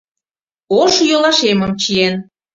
Ош йолашемым чиен.